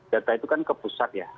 data itu kan ke pusat ya